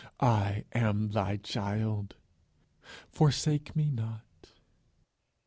I am thy child. Forsake me not."